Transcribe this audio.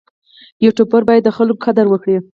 یوټوبر باید د خلکو قدر وکړي.